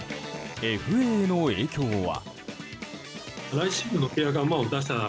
ＦＡへの影響は。